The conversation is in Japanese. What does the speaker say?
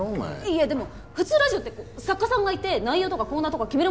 いやでも普通ラジオって作家さんがいて内容とかコーナーとか決めるもんなんじゃないんすか？